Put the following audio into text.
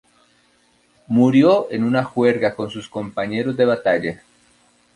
Murió en una juerga con sus compañeros de batalla.